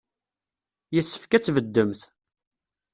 Yessefk ad tbeddemt.